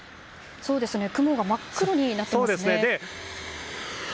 雲が真っ黒になっていますね。